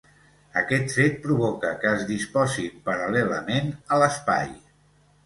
Aquest fet provoca que es disposin paral·lelament a l'espai.